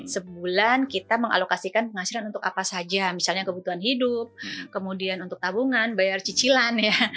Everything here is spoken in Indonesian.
sebulan kita mengalokasikan penghasilan untuk apa saja misalnya kebutuhan hidup kemudian untuk tabungan bayar cicilan ya